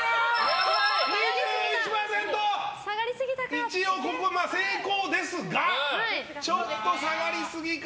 一応ここ成功ですがちょっと下がり過ぎか？